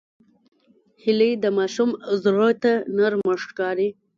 هیلۍ د ماشوم زړه ته نرمه ښکاري